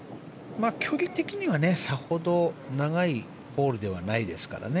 距離的にはさほど長いホールではないですからね。